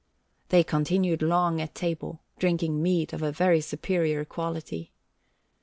They continued long at table, drinking mead of a very superior quality.